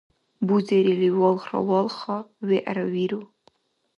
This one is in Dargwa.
Бузерили валхра валха, вегӀра виру.